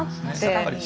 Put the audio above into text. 確かに。